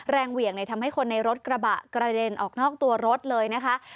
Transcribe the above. เหวี่ยงทำให้คนในรถกระบะกระเด็นออกนอกตัวรถเลยนะคะ